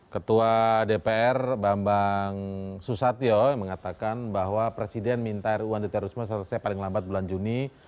ketua dpr bambang susatyo mengatakan bahwa presiden minta ru andetar rizma selesai paling lambat bulan juni